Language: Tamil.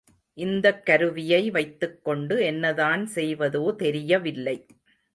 இந்தக் கருவியை வைத்துக் கொண்டு என்னதான் செய்வதோ தெரியவில்லை.